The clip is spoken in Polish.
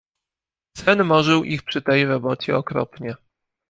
Sen morzył ich przy tej robocie okropnie.